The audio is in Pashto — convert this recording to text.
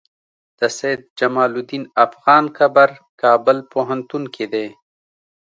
د سيد جمال الدين افغان قبر کابل پوهنتون کی دی